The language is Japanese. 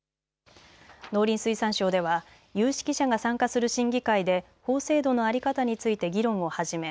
農林水産省では有識者が参加する審議会で法制度の在り方について議論を始め